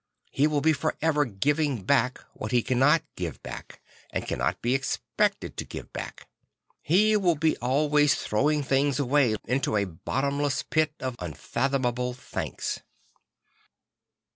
He will be for ever giving back what he cannot give back, and cannot be expected Ie Jongleur de Dieu 9 1 to give back. He will be always throwing things away into a bottomless pit of unfathomable thanks.